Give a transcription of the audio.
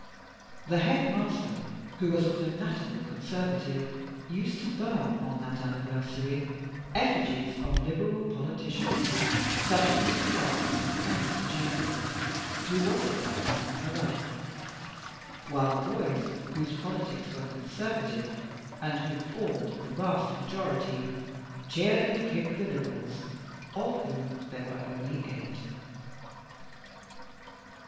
The headmaster, who was a fanatical Conservative, used to burn on that anniversary effigies of Liberal politicians such as Mr. Gladstone and Mr. Chamberlain, who was at that time a Radical; while the boys whose politics were Conservative, and who formed the vast majority, cheered, and kicked the Liberals, of whom there were only eight.